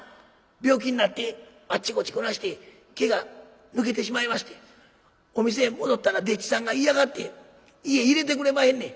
病気になってあっちこっちこないして毛が抜けてしまいましてお店へ戻ったら丁稚さんが嫌がって家へ入れてくれまへんねん。